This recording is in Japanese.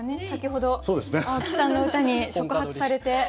先ほど青木さんの歌に触発されて。